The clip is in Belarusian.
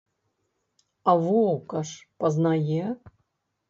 А воўка ж пазнае!